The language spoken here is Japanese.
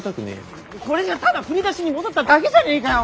これじゃただ振り出しに戻っただけじゃねえかよ